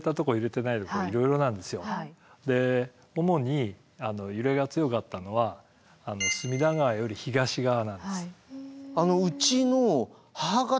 で主に揺れが強かったのは隅田川より東側なんです。